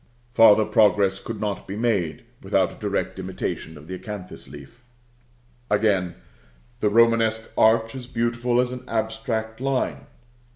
Farther progress could not be made without a direct imitation of the acanthus leaf. Again: the Romanesque arch is beautiful as an abstract line.